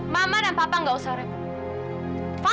mama dan papa nggak usah repot